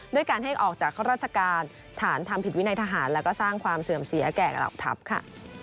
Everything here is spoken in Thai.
ด้วยการให้ออกจากราชการฐานทำผิดวินัยทหารแล้วก็สร้างความเสื่อมเสียแก่เหล่าทัพค่ะ